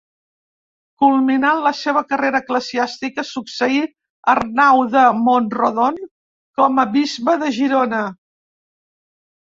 Culminant la seva carrera eclesiàstica, succeí Arnau de Mont-rodon com a bisbe de Girona.